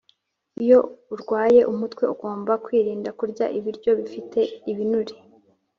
Iyo urwaye umutwe ugomba kwirinda kurya ibiryo bifite ibinure